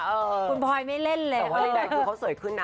เออคุณพลอยไม่เล่นเลยแต่ว่านี้ก็เค้าสวยขึ้นนะ